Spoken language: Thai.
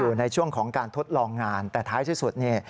อยู่ในช่วงของการทดลองงานแต่ท้ายที่สุดเนี่ย